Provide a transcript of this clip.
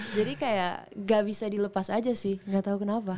jadi kayak gak bisa dilepas aja sih gak tau kenapa